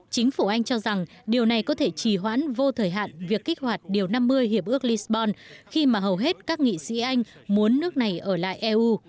chính phủ anh cho rằng điều này có thể trì hoãn vô thời hạn việc kích hoạt điều năm mươi hiệp ước lisbon khi mà hầu hết các nghị sĩ anh muốn nước này ở lại eu